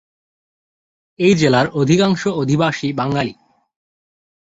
এই জেলার অধিকাংশ অধিবাসী বাঙালি।